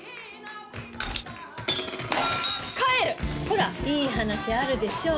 ほらいい話あるでしょ